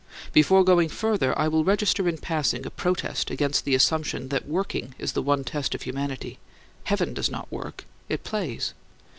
Before going further, I will register in passing a protest against the assumption that working is the one test of humanity. Heaven does not work; it plays.